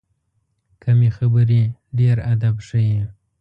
کمې خبرې، ډېر ادب ښیي.